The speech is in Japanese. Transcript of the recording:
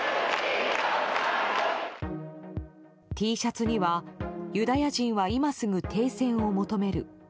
Ｔシャツにはユダヤ人は今すぐ停戦を求める。